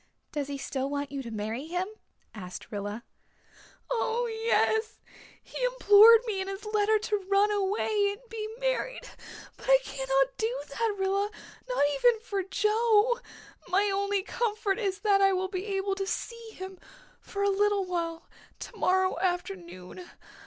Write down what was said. "Does he still want you to marry him?" asked Rilla. "Oh, yes. He implored me in his letter to run away and be married. But I cannot do that, Rilla, not even for Joe. My only comfort is that I will be able to see him for a little while tomorrow afternoon.